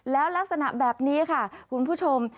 แล้วลักษณะแบบนี้ค่ะคุณผู้ชม